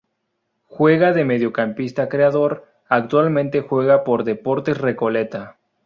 Juega de mediocampista creador, actualmente juega por Deportes Recoleta.